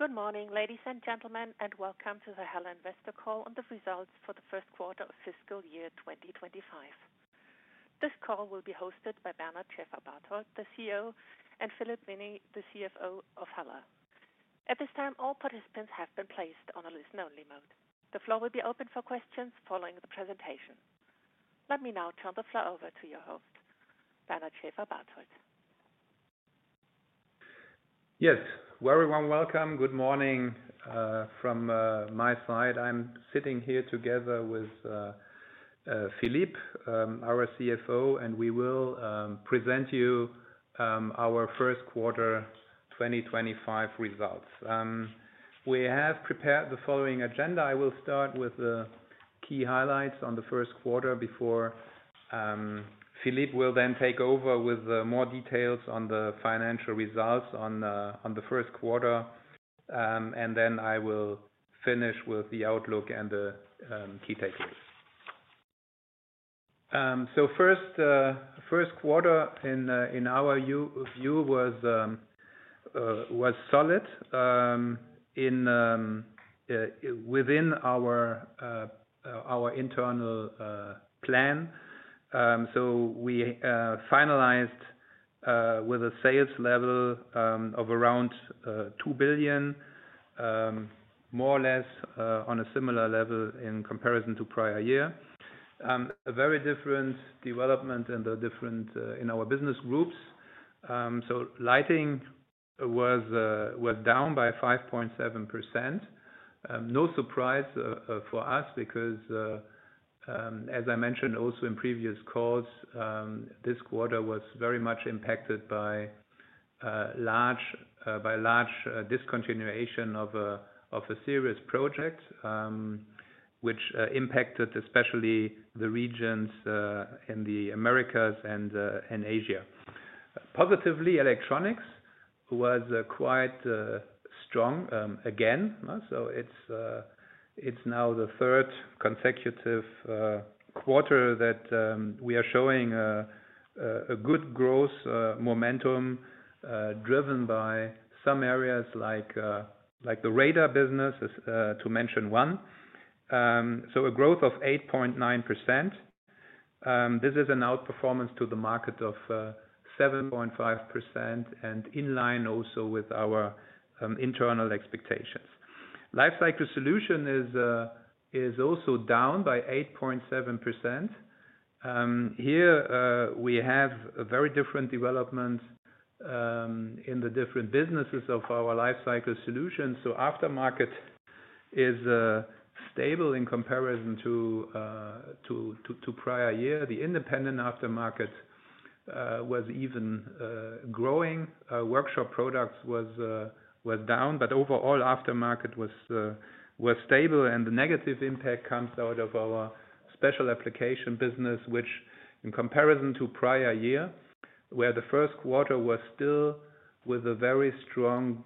Good morning, ladies and gentlemen, and welcome to the HELLA Investor Call on the results for the first quarter of fiscal year 2025. This call will be hosted by Bernard Schäferbarthold, the CEO, and Philippe Vienney, the CFO of HELLA. At this time, all participants have been placed on a listen-only mode. The floor will be open for questions following the presentation. Let me now turn the floor over to your host, Bernard Schäferbarthold. Yes. Well, everyone, welcome. Good morning. From my side, I'm sitting here together with Philippe, our CFO, and we will present you our first quarter 2025 results. We have prepared the following agenda. I will start with the key highlights on the first quarter before Philippe will then take over with more details on the financial results on the first quarter. And then I will finish with the outlook and the key takeaways. First quarter in our view was solid within our internal plan. So we finalized with a sales level of around 2 billion, more or less, on a similar level in comparison to prior year. A very different development in our different business groups. So lighting was down by 5.7%. No surprise for us because, as I mentioned also in previous calls, this quarter was very much impacted by large discontinuation of a series project, which impacted especially the regions in the Americas and Asia. Positively, electronics was quite strong again, so it's now the third consecutive quarter that we are showing a good growth momentum, driven by some areas like the radar business, to mention one, so a growth of 8.9%. This is an outperformance to the market of 7.5% and in line also with our internal expectations. Lifecycle Solutions is also down by 8.7%. Here, we have a very different development in the different businesses of our Lifecycle Solutions, so aftermarket is stable in comparison to prior year. The independent aftermarket was even growing. Workshop products was down, but overall aftermarket was stable. The negative impact comes out of our Special Applications business, which in comparison to prior year, where the first quarter was still with a very strong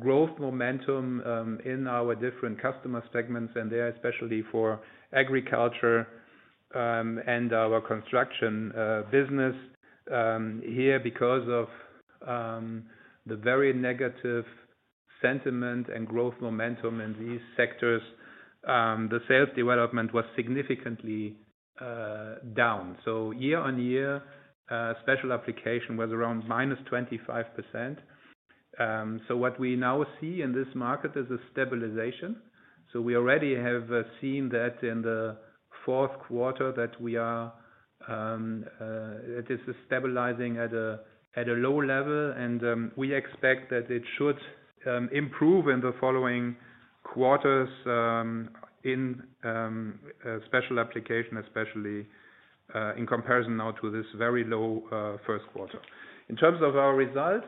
growth momentum in our different customer segments, and there especially for agriculture and our construction business. Here, because of the very negative sentiment and growth momentum in these sectors, the sales development was significantly down. So year on year, Special Applications was around minus 25%. So what we now see in this market is a stabilization. So we already have seen that in the fourth quarter that we are, that this is stabilizing at a low level. And we expect that it should improve in the following quarters in Special Applications, especially in comparison now to this very low first quarter. In terms of our results,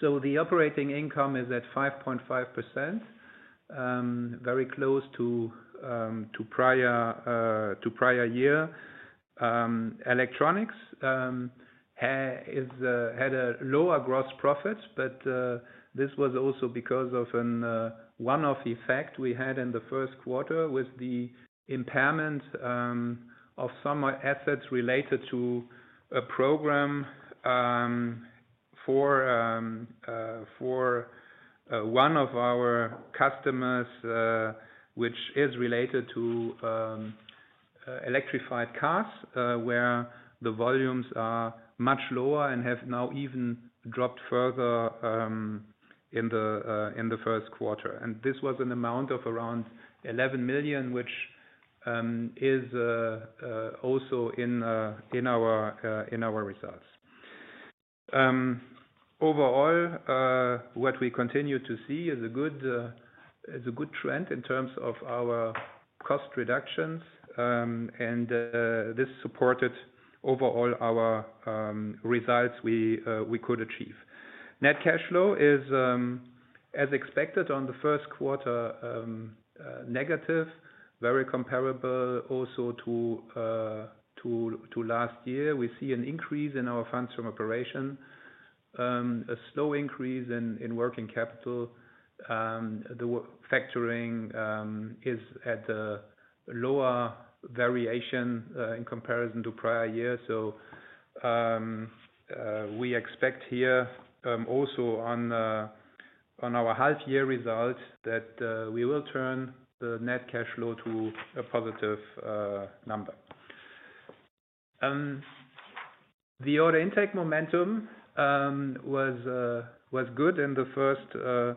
so the operating income is at 5.5%, very close to prior year. Electronics has had a lower gross profit, but this was also because of a one-off effect we had in the first quarter with the impairment of some assets related to a program for one of our customers, which is related to electrified cars, where the volumes are much lower and have now even dropped further in the first quarter. This was an amount of around 11 million, which is also in our results. Overall, what we continue to see is a good trend in terms of our cost reductions. This supported overall our results we could achieve. Net cash flow is, as expected in the first quarter, negative, very comparable also to last year. We see an increase in our funds from operation, a slow increase in working capital. The factoring is at a lower variation in comparison to prior year. We expect here also on our half-year result that we will turn the net cash flow to a positive number. The order intake momentum was good in the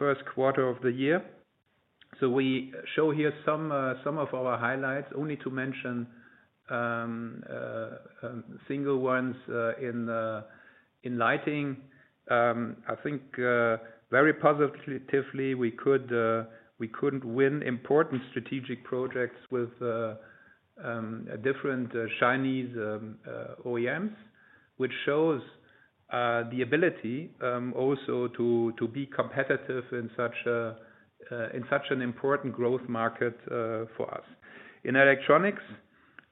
first quarter of the year. We show here some of our highlights only to mention single ones in lighting. I think very positively we could win important strategic projects with different Chinese OEMs, which shows the ability also to be competitive in such an important growth market for us. In electronics,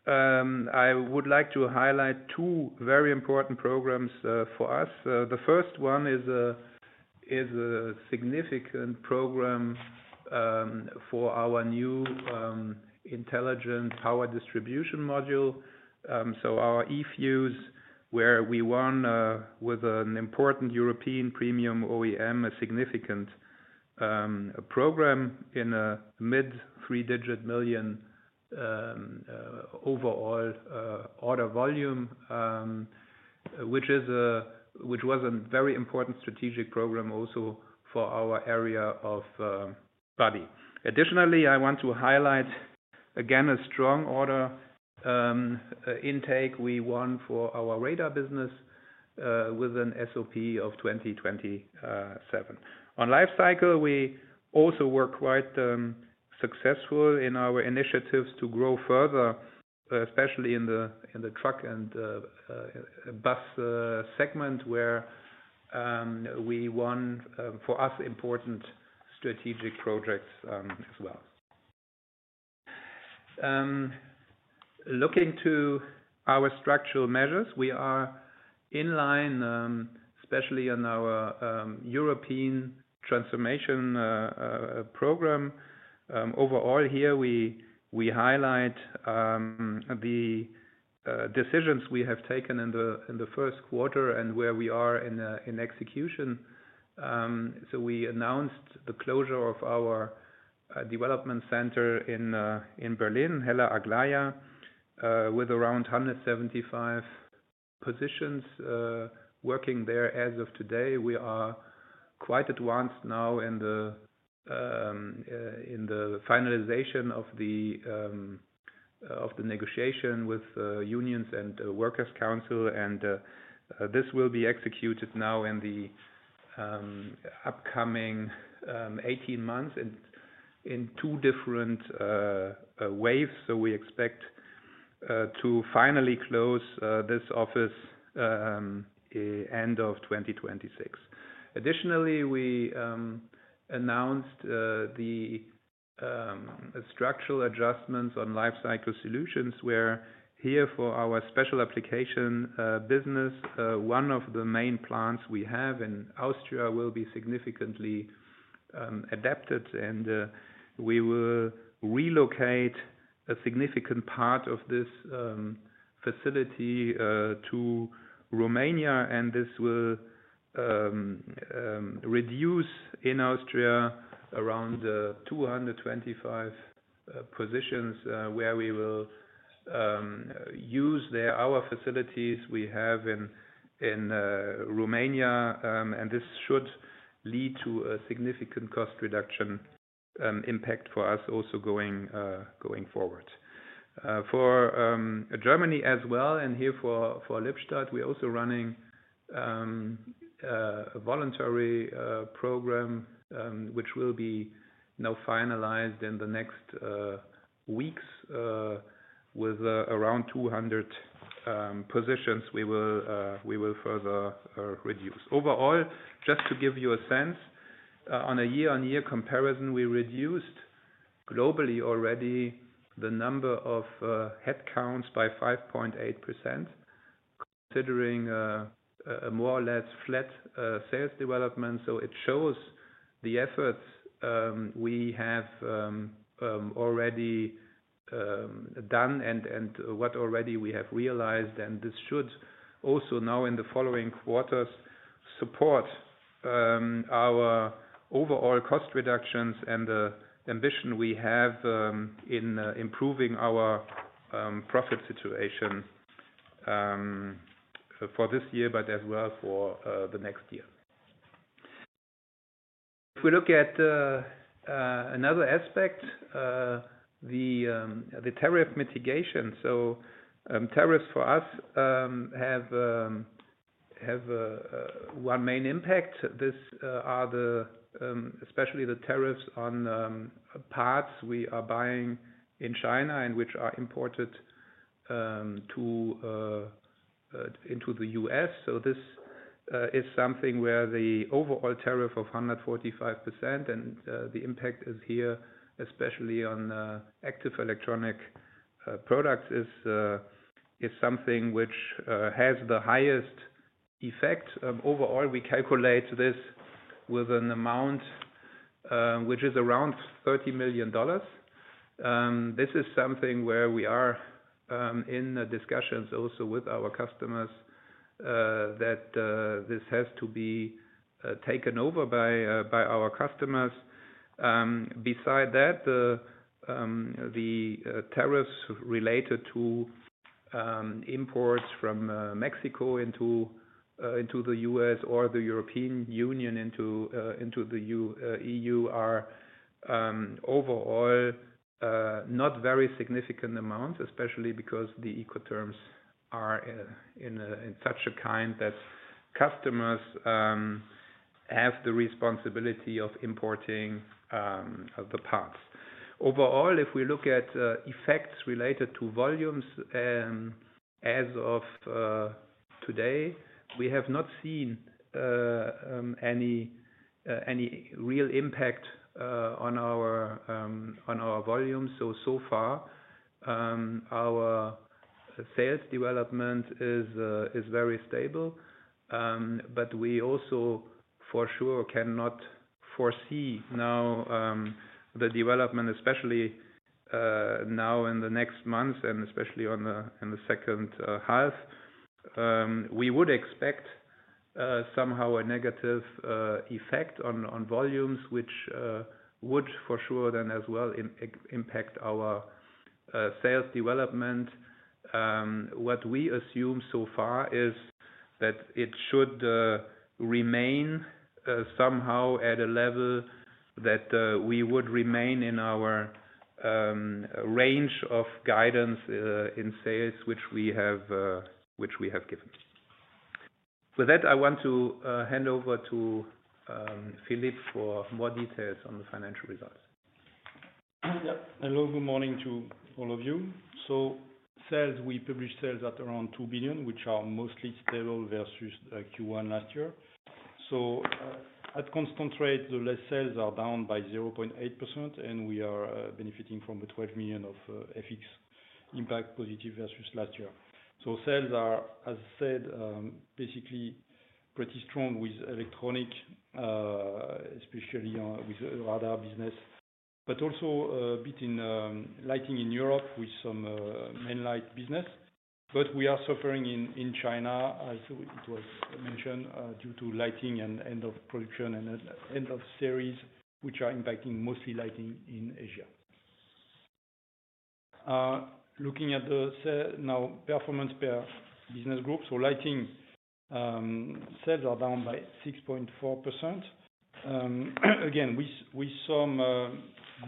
I would like to highlight two very important programs for us. The first one is a significant program for our new Intelligent Power Distribution module. So our eFuses, where we won with an important European premium OEM a significant program in a mid three-digit million overall order volume, which is a, which was a very important strategic program also for our area of study. Additionally, I want to highlight again a strong order intake we won for our radar business with an SOP of 2027. On Lifecycle, we also were quite successful in our initiatives to grow further, especially in the truck and bus segment where we won for us important strategic projects as well. Looking to our structural measures, we are in line, especially on our European transformation program. Overall here, we highlight the decisions we have taken in the first quarter and where we are in execution. We announced the closure of our development center in Berlin, Hella Aglaia, with around 175 positions working there as of today. We are quite advanced now in the finalization of the negotiation with unions and workers' council. This will be executed now in the upcoming 18 months in two different waves. We expect to finally close this office end of 2026. Additionally, we announced the structural adjustments on Lifecycle Solutions where here for our Special Applications business, one of the main plants we have in Austria will be significantly adapted. We will relocate a significant part of this facility to Romania. This will reduce in Austria around 225 positions, where we will use our facilities we have in Romania. This should lead to a significant cost reduction impact for us also going forward. for Germany as well. And here for Lippstadt, we're also running a voluntary program, which will be now finalized in the next weeks, with around 200 positions we will further reduce. Overall, just to give you a sense, on a year-on-year comparison, we reduced globally already the number of head counts by 5.8%, considering a more or less flat sales development. So it shows the efforts we have already done and what already we have realized. And this should also now in the following quarters support our overall cost reductions and the ambition we have in improving our profit situation for this year, but as well for the next year. If we look at another aspect, the tariff mitigation. So, tariffs for us have one main impact. These are especially the tariffs on parts we are buying in China and which are imported into the U.S. This is something where the overall tariff of 145% and the impact is here especially on active electronic products is something which has the highest effect. Overall, we calculate this with an amount which is around $30 million. This is something where we are in discussions also with our customers that this has to be taken over by our customers. Besides that, the tariffs related to imports from Mexico into the U.S. or the European Union into the EU are overall not very significant amounts, especially because the Incoterms are in such a kind that customers have the responsibility of importing the parts. Overall, if we look at effects related to volumes, as of today, we have not seen any real impact on our volumes. So far, our sales development is very stable. But we also for sure cannot foresee now the development, especially now in the next months and especially in the second half. We would expect somehow a negative effect on volumes, which would for sure then as well impact our sales development. What we assume so far is that it should remain somehow at a level that we would remain in our range of guidance in sales, which we have given. With that, I want to hand over to Philippe for more details on the financial results. Yeah. Hello. Good morning to all of you. Sales, we published sales at around 2 billion, which are mostly stable versus Q1 last year. At constant rate, FX-less sales are down by 0.8%, and we are benefiting from 12 million of positive FX impact versus last year. Sales are, as I said, basically pretty strong with Electronics, especially with the radar business, but also a bit in lighting in Europe with some main light business. We are suffering in China, as it was mentioned, due to lighting and end of production and end of series, which are impacting mostly lighting in Asia. Looking at the performance now per business group, lighting sales are down by 6.4%. Again, with some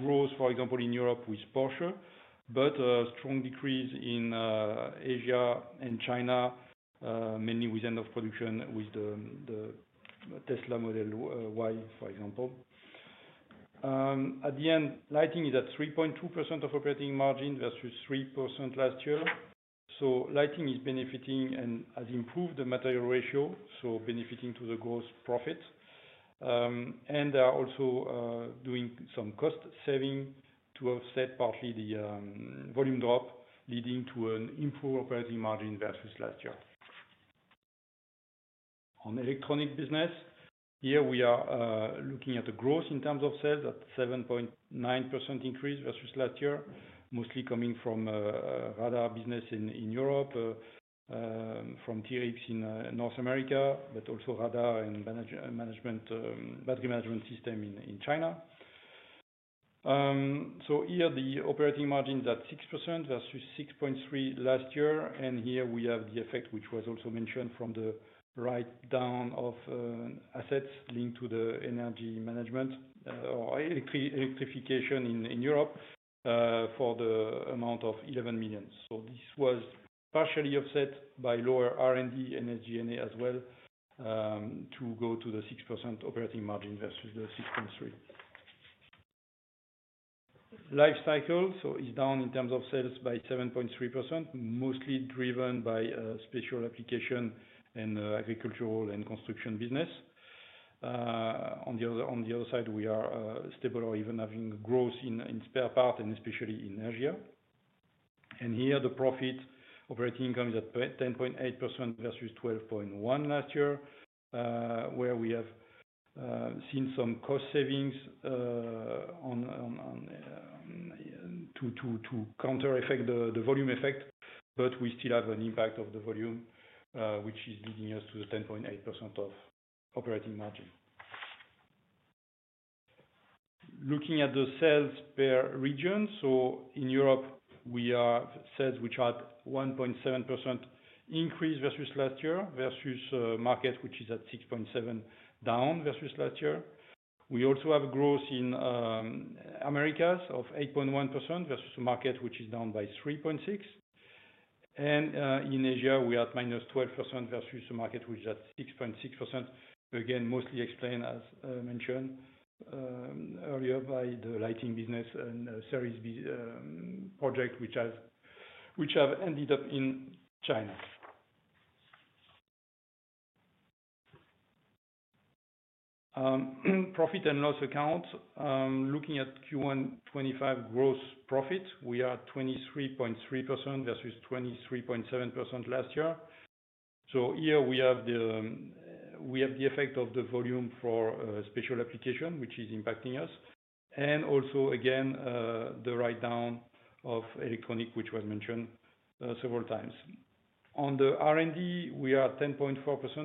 growth, for example, in Europe with Porsche, but a strong decrease in Asia and China, mainly with end of production with the Tesla Model Y, for example. At the end, lighting is at 3.2% operating margin versus 3% last year. So lighting is benefiting and has improved the material ratio, so benefiting to the gross profit. And they are also doing some cost saving to offset partly the volume drop leading to an improved operating margin versus last year. On electronic business, here we are looking at the growth in terms of sales at 7.9% increase versus last year, mostly coming from radar business in Europe, from TRS in North America, but also radar and battery management system in China. So here the operating margin is at 6% versus 6.3% last year. And here we have the effect, which was also mentioned from the write-down of assets linked to the energy management, or electrification in Europe, for the amount of 11 million. So this was partially offset by lower R&D and SG&A as well, to go to the 6% operating margin versus the 6.3%. Lifecycle, so is down in terms of sales by 7.3%, mostly driven by special application and agricultural and construction business. On the other side, we are stable or even having growth in spare parts and especially in Asia. And here the profit operating income is at 10.8% versus 12.1% last year, where we have seen some cost savings on to counter effect the volume effect, but we still have an impact of the volume, which is leading us to the 10.8% of operating margin. Looking at the sales per region, so in Europe, we have sales which are at 1.7% increase versus last year versus market, which is at 6.7% down versus last year. We also have growth in Americas of 8.1% versus the market, which is down by 3.6%. And in Asia, we are at minus 12% versus the market, which is at 6.6%, again mostly explained as mentioned earlier by the lighting business and series project, which has ended up in China. Profit and loss accounts, looking at Q125 gross profit, we are at 23.3% versus 23.7% last year. So here we have the effect of the volume for Special Applications, which is impacting us. And also again, the write-down of electronics, which was mentioned several times. On the R&D, we are at 10.4%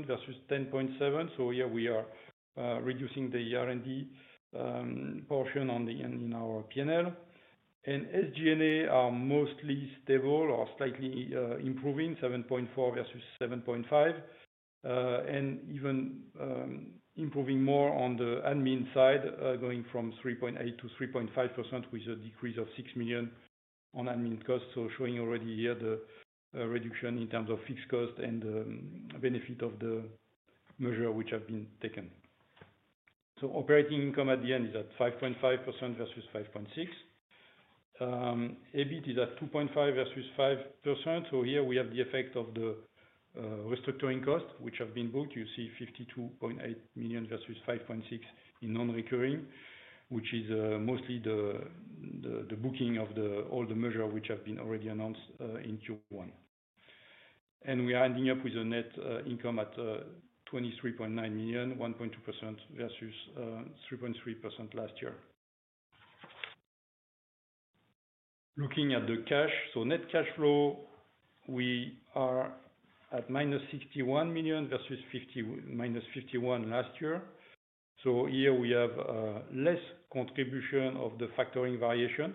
versus 10.7%. So here we are reducing the R&D portion in our P&L. SG&A are mostly stable or slightly improving 7.4% versus 7.5%, and even improving more on the admin side, going from 3.8%-3.5% with a decrease of 6 million on admin costs. Showing already here the reduction in terms of fixed costs and benefit of the measures which have been taken. Operating income at the end is at 5.5% versus 5.6%. EBIT is at 2.5% versus 5%. Here we have the effect of the restructuring costs, which have been booked. You see 52.8 million versus 5.6% in non-recurring, which is mostly the booking of all the measures which have been already announced in Q1. We are ending up with a net income at 23.9 million, 1.2% versus 3.3% last year. Looking at the cash, net cash flow, we are at minus 61 million versus minus 50, minus 51 last year. So, here we have less contribution of the factoring variation.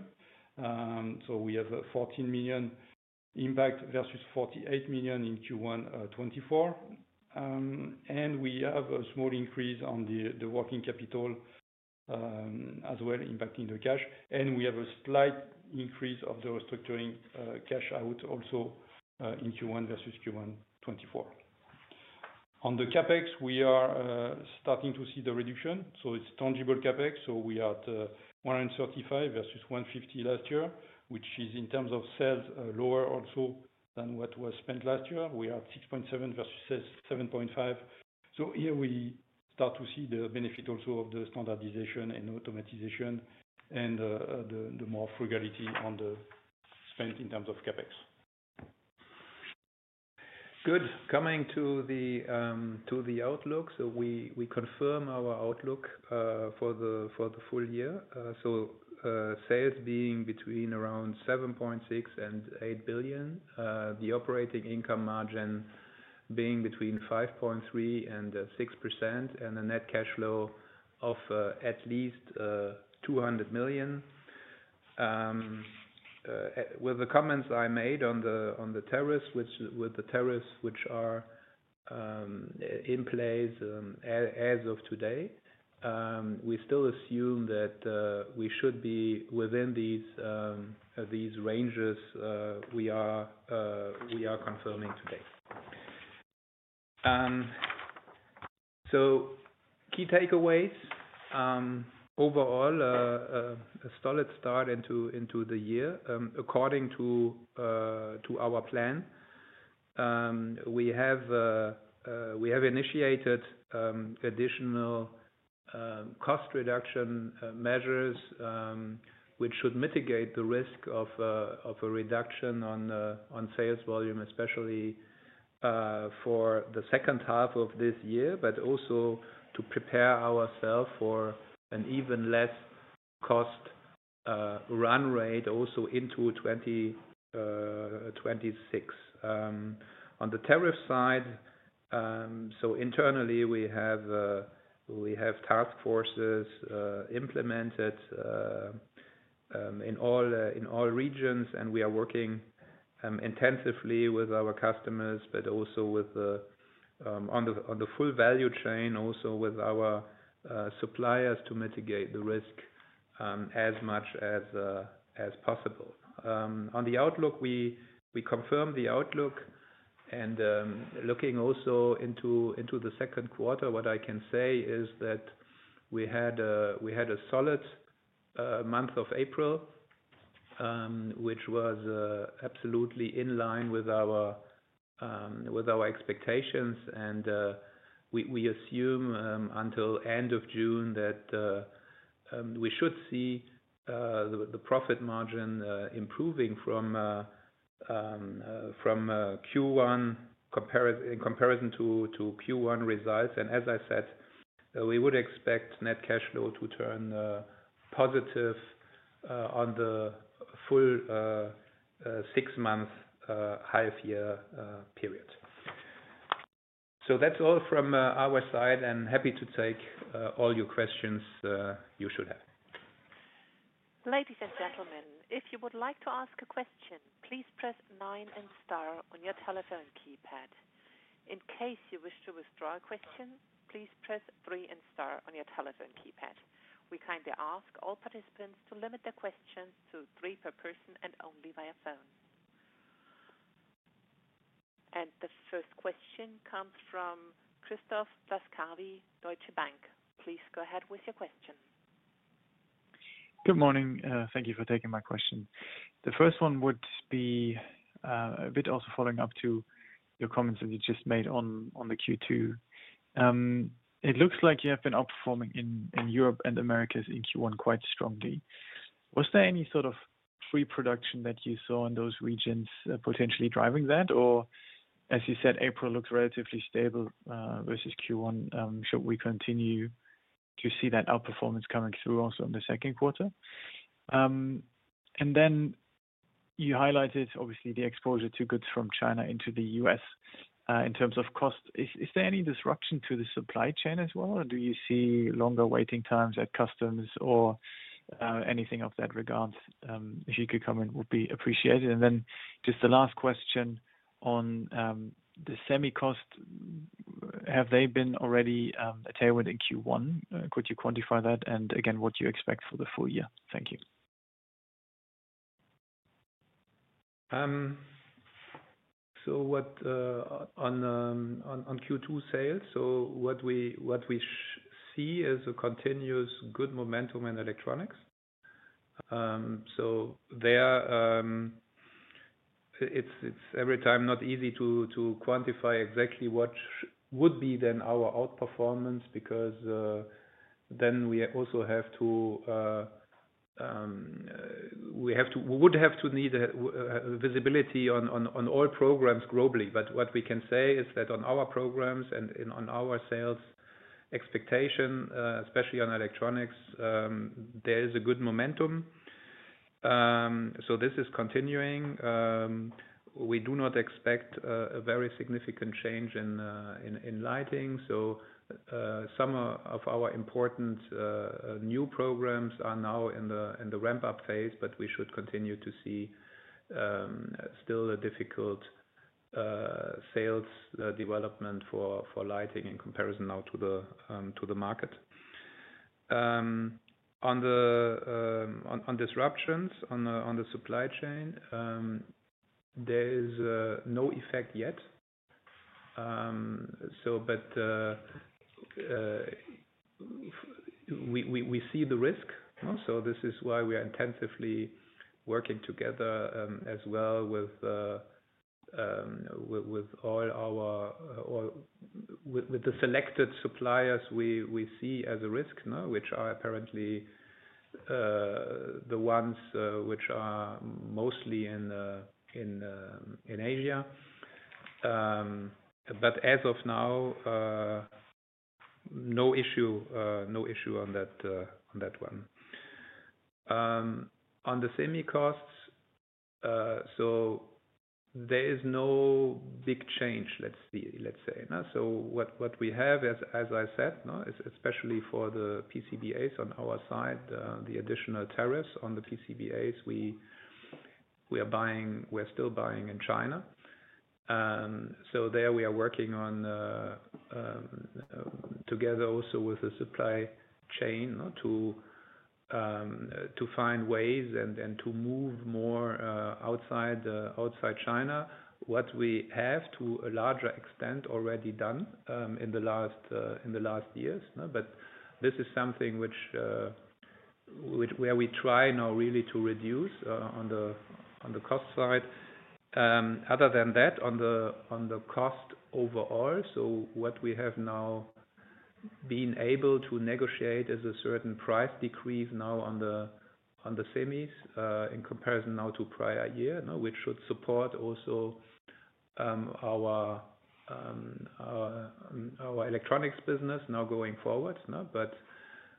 So we have a 14 million impact versus 48 million in Q124. And we have a small increase on the working capital, as well, impacting the cash. And we have a slight increase of the restructuring cash out also, in Q1 versus Q124. On the CapEx, we are starting to see the reduction. So it is tangible CapEx. So we are at 135 million versus 150 million last year, which is, in terms of sales, lower also than what was spent last year. We are at 6.7% versus 7.5%. So here we start to see the benefit also of the standardization and automation and the more frugality on the spent in terms of CapEx. Good. Coming to the outlook. So we confirm our outlook for the full year. Sales being between around 7.6 billion and 8 billion, the operating income margin being between 5.3% and 6%, and the net cash flow of at least 200 million. With the comments I made on the tariffs, which are in place as of today, we still assume that we should be within these ranges, which we are confirming today. Key takeaways: overall, a solid start into the year. According to our plan, we have initiated additional cost reduction measures, which should mitigate the risk of a reduction in sales volume, especially for the second half of this year, but also to prepare ourselves for an even lower cost run rate also into 2026. On the tariff side, so internally we have task forces implemented in all regions, and we are working intensively with our customers, but also with the full value chain, also with our suppliers to mitigate the risk as much as possible. On the outlook, we confirm the outlook and looking also into the second quarter, what I can say is that we had a solid month of April, which was absolutely in line with our expectations, and we assume until end of June that we should see the profit margin improving from Q1 in comparison to Q1 results, and as I said, we would expect net cash flow to turn positive on the full six months half year period. So that's all from our side and happy to take all your questions you should have. Ladies and gentlemen, if you would like to ask a question, please press nine and star on your telephone keypad. In case you wish to withdraw a question, please press three and star on your telephone keypad. We kindly ask all participants to limit their questions to three per person and only via phone. The first question comes from Christoph Laskawi, Deutsche Bank. Please go ahead with your question. Good morning. Thank you for taking my question. The first one would be a bit also following up to your comments that you just made on the Q2. It looks like you have been outperforming in Europe and Americas in Q1 quite strongly. Was there any sort of pre-production that you saw in those regions, potentially driving that? Or, as you said, April looks relatively stable versus Q1. Should we continue to see that outperformance coming through also in the second quarter? Then you highlighted obviously the exposure to goods from China into the U.S. in terms of cost. Is there any disruption to the supply chain as well, or do you see longer waiting times at customs or anything of that regard? If you could comment, that would be appreciated. And then just the last question on the semi cost. Have they been already factored in Q1? Could you quantify that and again, what do you expect for the full year? Thank you. So, what on Q2 sales, what we see is a continuous good momentum in electronics. So there, it's every time not easy to quantify exactly what would be then our outperformance because then we also have to have a visibility on all programs globally. But what we can say is that on our programs and on our sales expectation, especially on electronics, there is a good momentum. So this is continuing. We do not expect a very significant change in lighting. So, some of our important new programs are now in the ramp-up phase, but we should continue to see still a difficult sales development for lighting in comparison now to the market. On the disruptions on the supply chain, there is no effect yet. But we see the risk, no? This is why we are intensively working together as well with all our selected suppliers we see as a risk, no? Which are apparently the ones which are mostly in Asia. But as of now, no issue on that one. On the semi costs, there is no big change, let's say, no? What we have as I said, no? Especially for the PCBAs on our side, the additional tariffs on the PCBAs, we're still buying in China. There we are working on together also with the supply chain, no? To find ways and to move more outside China, what we have to a larger extent already done in the last years, no? But this is something which where we try now really to reduce on the cost side. Other than that, on the cost overall, so what we have now been able to negotiate is a certain price decrease now on the semis, in comparison now to prior year, no? Which should support also our electronics business now going forwards, no? But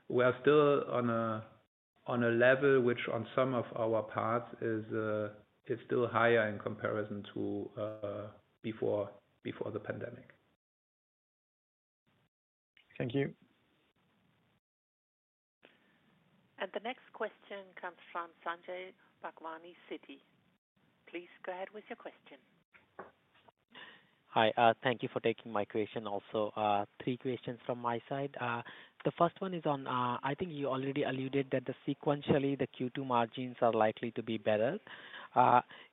we are still on a level which on some of our parts is still higher in comparison to before the pandemic. Thank you. And the next question comes from Sanjay Bhagwani, Citi. Please go ahead with your question. Hi, thank you for taking my question also. Three questions from my side. The first one is on, I think you already alluded that sequentially the Q2 margins are likely to be better.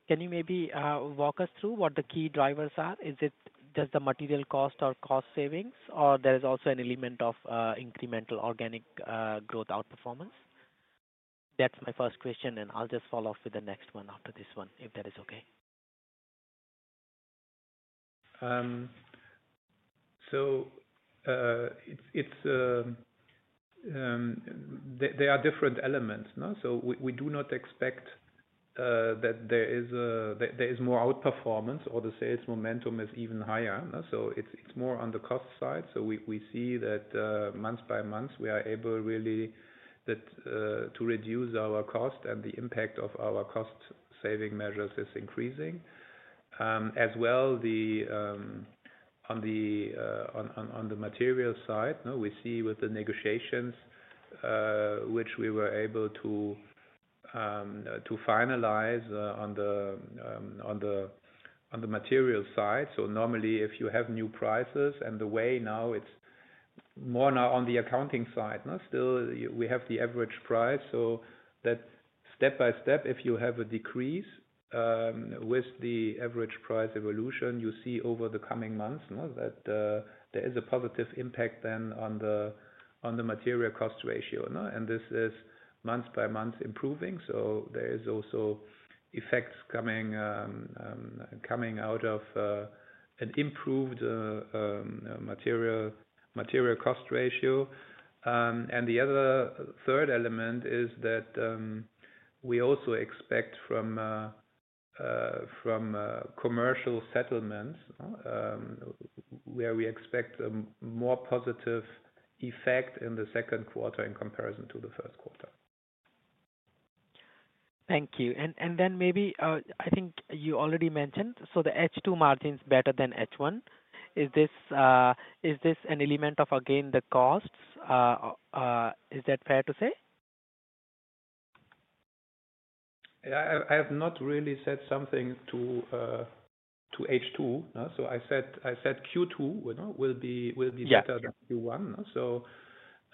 Can you maybe walk us through what the key drivers are? Is it just the material cost or cost savings, or there is also an element of incremental organic growth outperformance? That's my first question, and I'll just follow up with the next one after this one, if that is okay. There are different elements, no? We do not expect that there is more outperformance or the sales momentum is even higher, no? It's more on the cost side. We see that month by month we are able really to reduce our cost and the impact of our cost saving measures is increasing. As well, on the material side, no? We see with the negotiations, which we were able to finalize, on the material side. Normally if you have new prices and the way, now it's more on the accounting side, no? Still we have the average price. That step by step if you have a decrease, with the average price evolution, you see over the coming months, no? That there is a positive impact then on the material cost ratio, no, and this is month by month improving, so there is also effects coming out of an improved material cost ratio and the other third element is that we also expect from commercial settlements, where we expect a more positive effect in the second quarter in comparison to the first quarter. Thank you. And, and then maybe, I think you already mentioned, so the H2 margin's better than H1. Is this, is this an element of, again, the costs? Is that fair to say? Yeah, I have not really said something to H2, no? So I said Q2, you know, will be better than Q1, no? So,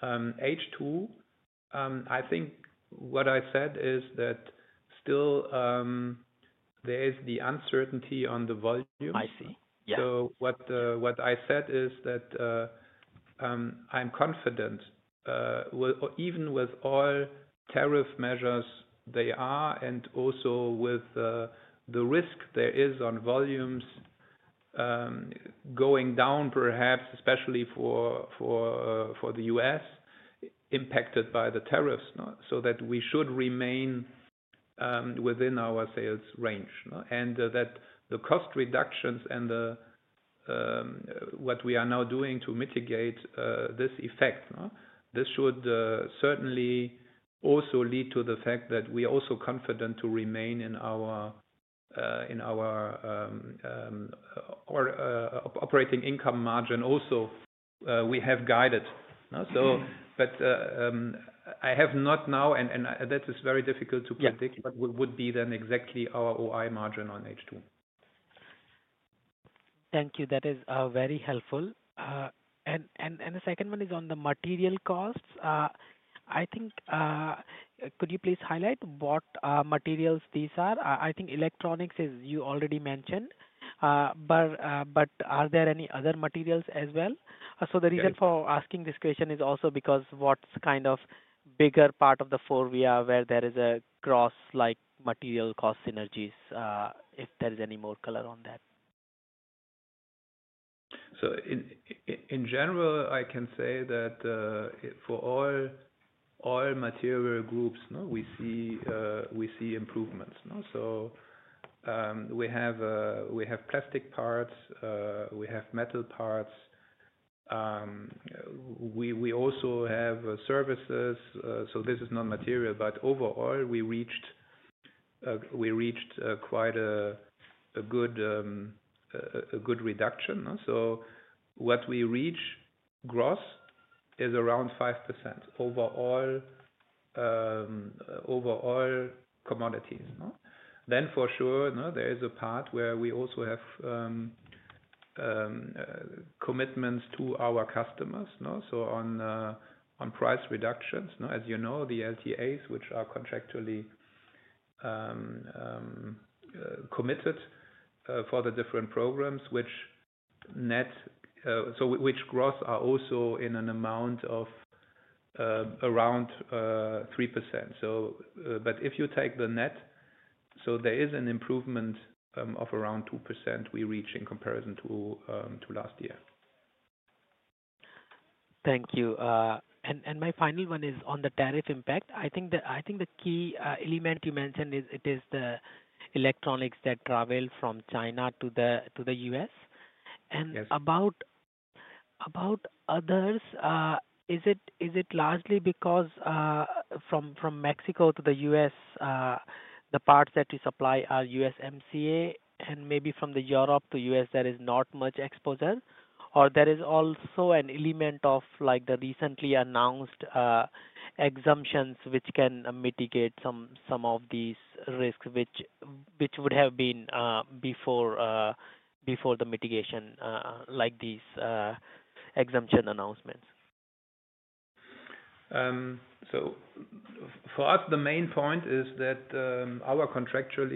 H2, I think what I said is that still there is the uncertainty on the volumes. I see. Yeah. So what I said is that I'm confident even with all tariff measures there are and also with the risk there is on volumes going down perhaps, especially for the U.S. impacted by the tariffs, no? So that we should remain within our sales range, no? That the cost reductions and what we are now doing to mitigate this effect, no? This should certainly also lead to the fact that we are also confident to remain in our operating income margin we have guided, no? But I have not now and that is very difficult to predict. Yeah. What would be then exactly our OI margin on H2? Thank you. That is very helpful, and the second one is on the material costs. I think, could you please highlight what materials these are? I think electronics as you already mentioned, but are there any other materials as well? So the reason for asking this question is also because what's kind of a bigger part of the FORVIA where there is a cross-like material cost synergies, if there is any more color on that? So in general, I can say that for all material groups, we see improvements. So we have plastic parts, we have metal parts. We also have services. So this is non-material, but overall we reached quite a good reduction. So what we reach gross is around 5% overall commodities. Then for sure there is a part where we also have commitments to our customers. So on price reductions. As you know, the LTAs, which are contractually committed for the different programs, which net, so which gross are also in an amount of around 3%. So but if you take the net, so there is an improvement of around 2% we reach in comparison to last year. Thank you, and my final one is on the tariff impact. I think the key element you mentioned is it is the electronics that travel from China to the U.S. Yes. And about others, is it largely because from Mexico to the U.S. the parts that you supply are USMCA and maybe from Europe to the U.S. there is not much exposure? Or there is also an element of like the recently announced exemptions which can mitigate some of these risks which would have been before the mitigation, like these exemption announcements? So for us the main point is that our contractual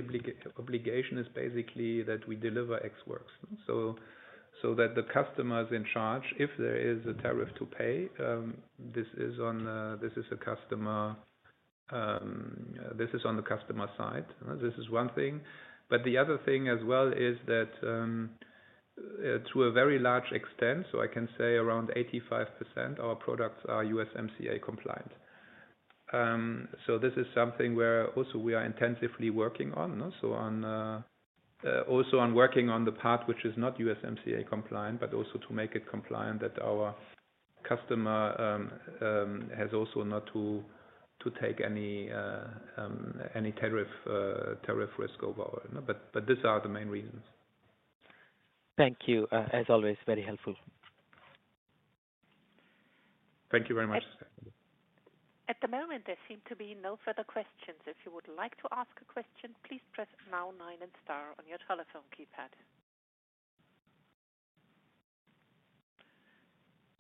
obligation is basically that we deliver Ex Works, no? So that the customer's in charge if there is a tariff to pay. This is on the customer side, no? This is one thing. But the other thing as well is that to a very large extent, so I can say around 85% our products are USMCA compliant. So this is something where also we are intensively working on, no? So also on working on the part which is not USMCA compliant, but also to make it compliant that our customer has also not to take any tariff risk overall, no? But these are the main reasons. Thank you. As always, very helpful. Thank you very much. At the moment there seem to be no further questions. If you would like to ask a question, please press now nine and star on your telephone keypad,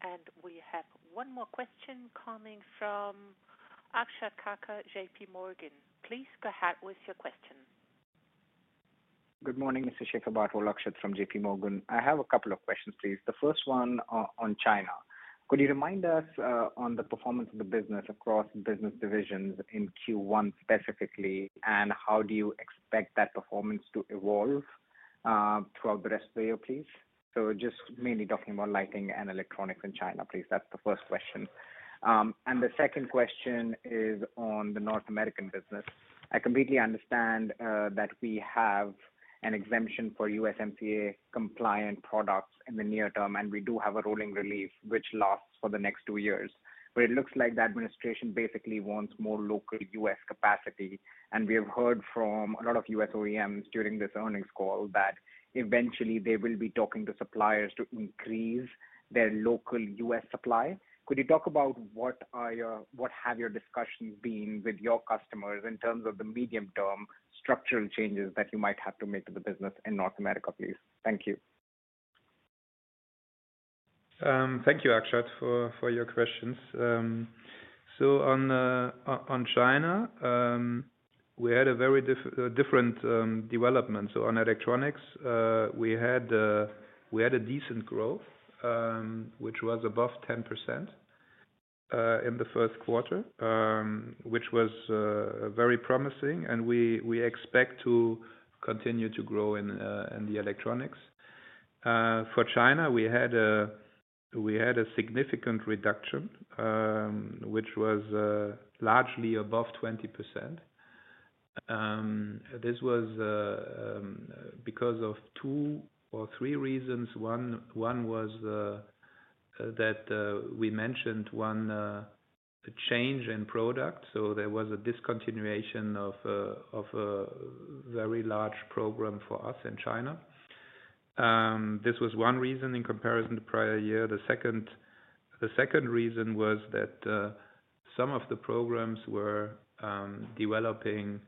and we have one more question coming from Akshat Kakar, J.P. Morgan. Please go ahead with your question. Good morning, Mr. Schäferbarthold, Akshatta from J.P. Morgan. I have a couple of questions, please. The first one on China. Could you remind us on the performance of the business across business divisions in Q1 specifically, and how do you expect that performance to evolve throughout the rest of the year, please? So just mainly talking about lighting and electronics in China, please. That's the first question, and the second question is on the North American business. I completely understand that we have an exemption for USMCA compliant products in the near term, and we do have a rolling relief which lasts for the next two years. But it looks like the administration basically wants more local U.S. capacity. And we have heard from a lot of U.S. OEMs during this earnings call that eventually they will be talking to suppliers to increase their local U.S. supply. Could you talk about what have your discussions been with your customers in terms of the medium term structural changes that you might have to make to the business in North America, please? Thank you. Thank you, Akshatta, for your questions. So on China, we had a very different development. So on electronics, we had a decent growth, which was above 10% in the first quarter, which was very promising. And we expect to continue to grow in the electronics. For China, we had a significant reduction, which was largely above 20%. This was because of two or three reasons. One was that we mentioned one change in product. So there was a discontinuation of a very large program for us in China. This was one reason in comparison to prior year. The second reason was that some of the programs were developing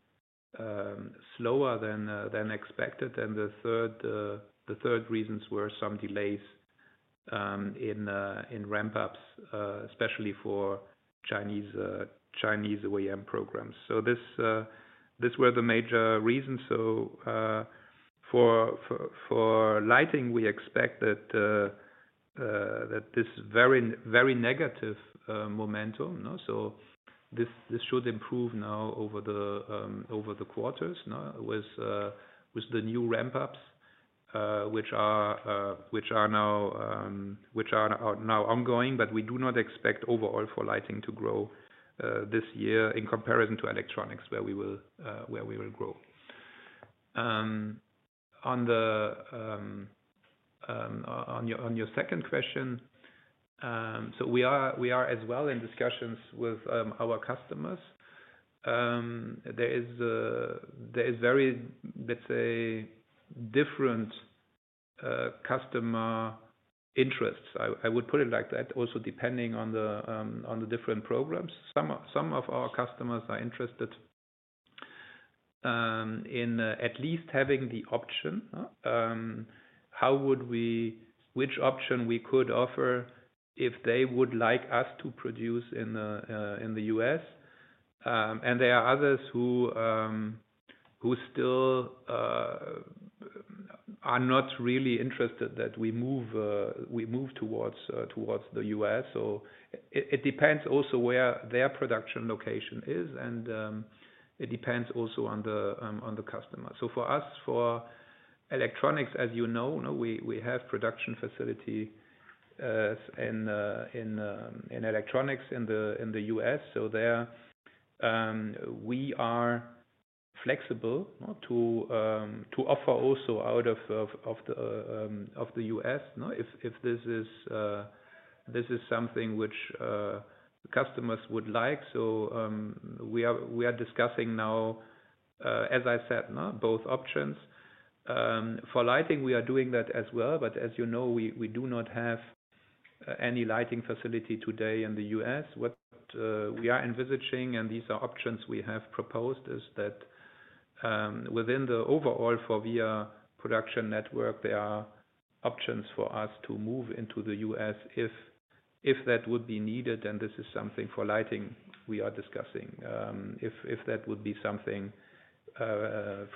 slower than expected. And the third reasons were some delays in ramp-ups, especially for Chinese OEM programs. So these were the major reasons. For lighting, we expect that this very negative momentum, no? This should improve now over the quarters, no? With the new ramp-ups, which are now ongoing, but we do not expect overall for lighting to grow this year in comparison to electronics where we will grow. On your second question, so we are as well in discussions with our customers. There is very, let's say, different customer interests. I would put it like that, also depending on the different programs. Some of our customers are interested in at least having the option, no? How would we which option we could offer if they would like us to produce in the U.S. There are others who still are not really interested that we move towards the U.S. So it depends also where their production location is. It depends also on the customer. So for us, for electronics, as you know, no? We have production facilities in electronics in the U.S. So there, we are flexible, no? To offer also out of the U.S., no? If this is something which customers would like. So we are discussing now, as I said, no? Both options. For lighting, we are doing that as well. But as you know, we do not have any lighting facility today in the U.S. What we are envisaging, and these are options we have proposed, is that, within the overall FORVIA production network, there are options for us to move into the U.S. if that would be needed. And this is something for lighting we are discussing. If that would be something of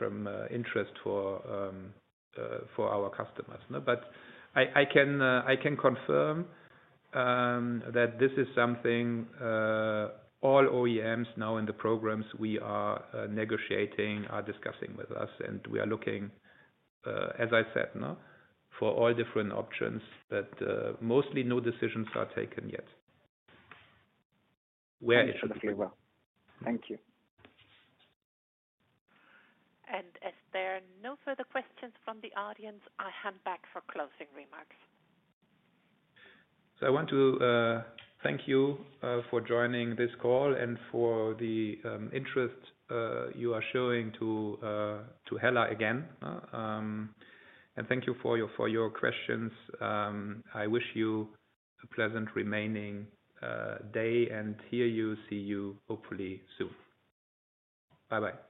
interest for our customers, no? But I can confirm that this is something all OEMs now in the programs we are negotiating are discussing with us. And we are looking, as I said, no? For all different options, but mostly no decisions are taken yet where it should be grown. Thank you. If there are no further questions from the audience, I hand back for closing remarks. I want to thank you for joining this call and for the interest you are showing to HELLA again, no? And thank you for your questions. I wish you a pleasant remaining day. Hear you, see you hopefully soon. Bye-bye.